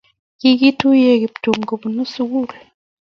Katuye Kiptum kobunu sukul